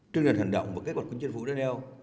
trước nền hành động và kế hoạch của chính phủ đơn eo